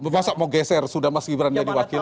masa mau geser sudah mas gibran jadi wakil